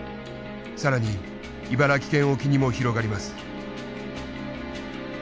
更に茨城県沖にも広がります。